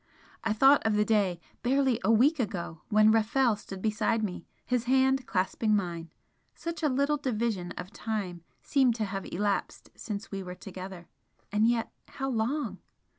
I thought of the day, barely a week ago, when Rafel stood beside me, his hand clasping mine, such a little division of time seemed to have elapsed since we were together, and yet how long!